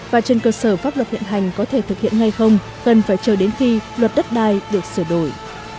và trên cơ sở pháp luật hiện hành có thể thực hiện ngay không cần phải chờ đến khi luật đất đai được sửa đổi